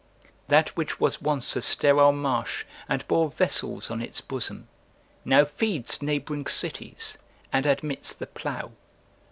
["That which was once a sterile marsh, and bore vessels on its bosom, now feeds neighbouring cities, and admits the plough."